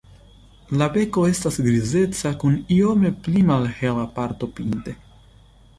La beko estas grizeca kun iome pli malhela parto pinte.